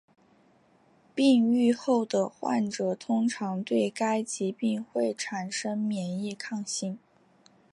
病愈后的患者通常对该疾病会产生免疫抗性。